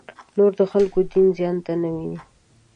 نور د خلکو دین زیان نه وویني.